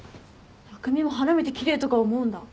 匠も花見て奇麗とか思うんだ。